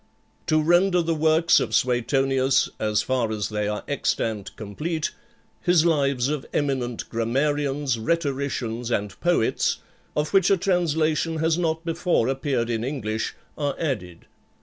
To render the works of Suetonius, as far as they are extant, complete, his Lives of eminent Grammarians, Rhetoricians, and Poets, of which a translation has not before appeared in English, are added.